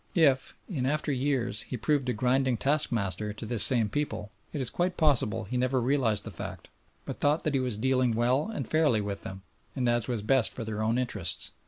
If, in after years, he proved a grinding taskmaster to this same people it is quite possible he never realised the fact, but thought that he was dealing well and fairly with them and as was best for their own interests.